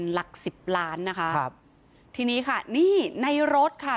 จะรับผิดชอบกับความเสียหายที่เกิดขึ้น